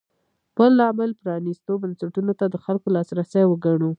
بل لامل پرانېستو بنسټونو ته د خلکو لاسرسی وګڼو.